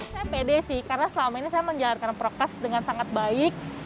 saya pede sih karena selama ini saya menjalankan prokes dengan sangat baik